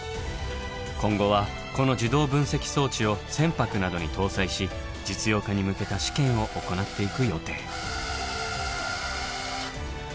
今後はこの自動分析装置を船舶などに搭載し実用化に向けた試験を行っていく予定。